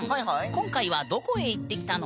今回はどこへ行ってきたの？